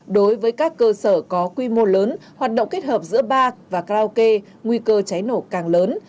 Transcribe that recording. đối với các cơ sở có quy mô lớn hoạt động kết hợp giữa ba và karaoke nguy cơ cháy nổ càng lớn